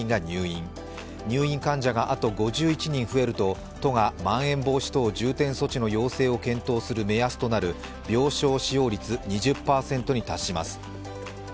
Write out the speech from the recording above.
入院患者があと５１人増えると都がまん延防止等重点措置の要請を検討する目安となる病床使用率２０％に達します。